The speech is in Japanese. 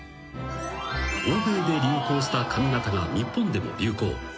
［欧米で流行した髪形が日本でも流行］